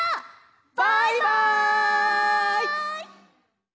バイバイ！